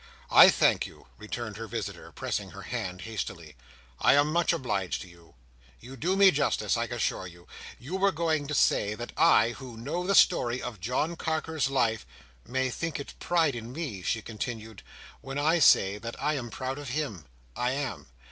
"I thank you," returned her visitor, pressing her hand hastily. "I am much obliged to you. You do me justice, I assure you. You were going to say, that I, who know the story of John Carker's life—" "May think it pride in me," she continued, "when I say that I am proud of him! I am.